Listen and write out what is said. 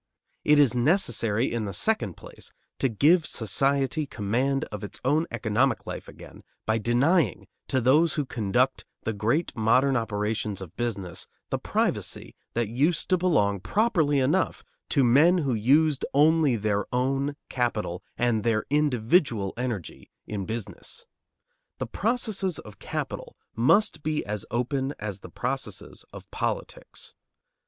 It is necessary, in the second place, to give society command of its own economic life again by denying to those who conduct the great modern operations of business the privacy that used to belong properly enough to men who used only their own capital and their individual energy in business. The processes of capital must be as open as the processes of politics.